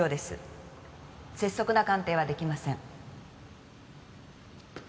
拙速な鑑定は出来ません。